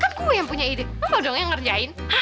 kan gue yang punya ide mau dong yang ngerjain